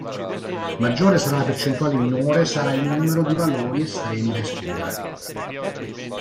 Maggiore sarà la percentuale, minore sarà il numero di valori estremi da escludere.